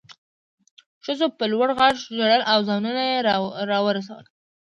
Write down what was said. ښځو په لوړ غږ ژړل او ځانونه یې راورسول